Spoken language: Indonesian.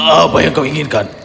apa yang kau inginkan